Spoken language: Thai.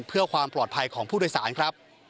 เพื่อความปลอดภัยของผู้โดยสารครับ